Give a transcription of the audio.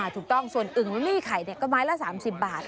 ถูกต้องส่วนอึ่งลูลี่ไข่ก็ไม้ละ๓๐บาท